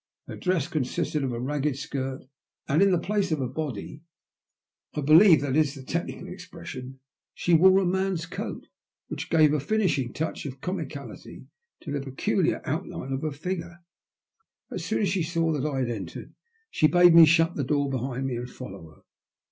Her dress consisted of a ragged skirt, and in place of a body — I believe that is the 84 THE LUST OF HATE. technical expression — she wore a man's coat, which gave a finishing touch of comicality to the peculiar outline of her figure. As soon as she saw that I had entered, she bade me shut the door behind me and follow her.